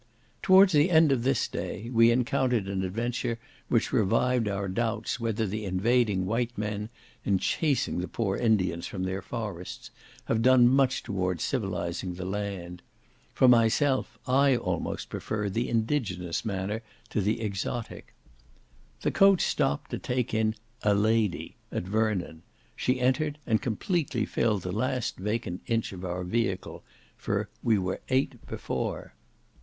Towards the end of this day, we encountered an adventure which revived our doubts whether the invading white men, in chasing the poor Indians from their forests, have done much towards civilizing the land. For myself, I almost prefer the indigenous manner to the exotic. The coach stopped to take in "a lady" at Vernon; she entered, and completely filled the last vacant inch of our vehicle; for "we were eight" before.